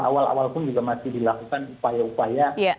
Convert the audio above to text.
awal awal pun juga masih dilakukan upaya upaya